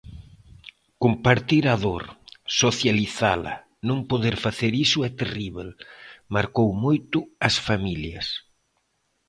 Compartir a dor, socializala... non poder facer iso é terríbel, marcou moito as familias.